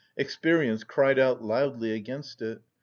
Experience cried out loudly against it.